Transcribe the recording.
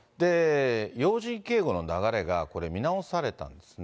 要人警護の流れがこれ、見直されたんですね。